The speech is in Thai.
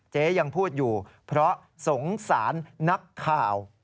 เจ๊ยังพูดอยู่เพราะสงสารนักข่าว